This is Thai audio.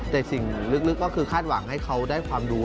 แต่สิ่งลึกก็คือคาดหวังให้เขาได้ความรู้